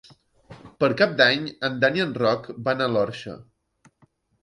Per Cap d'Any en Dan i en Roc van a l'Orxa.